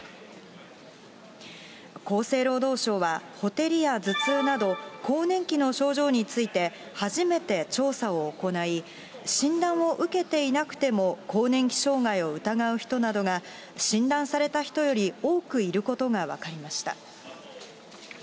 厚生労働省は、ほてりや頭痛など、更年期の症状について初めて調査を行い、診断を受けていなくても、更年期障害を疑う人などが診断された人より多くいることが分かりました。